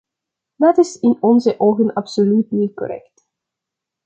Dat is in onze ogen absoluut niet correct!